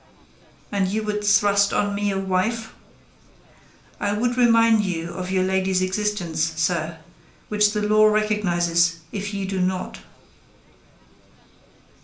"And you would thrust on me a wife?" "I would remind you of your lady's existence, sir, which the law recognises, if you do not."